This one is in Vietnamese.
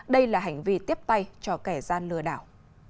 đây là hành vi tiếp tay cho kẻ gian lừa đảo